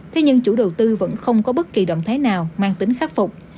thế nhưng chủ đầu tư vẫn không có bất kỳ động thái nào mang tính khắc phục